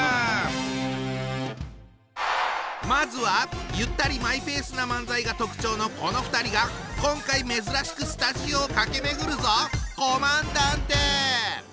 まずはゆったりマイペースな漫才が特徴のこの２人が今回珍しくスタジオを駆け巡るぞ！